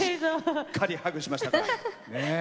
しっかりハグしましたから。